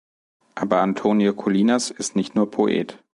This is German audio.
Aber Antonio Colinas is nicht nur Poet.